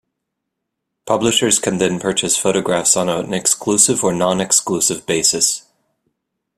Publishers can then purchase photographs on an exclusive or non-exclusive basis.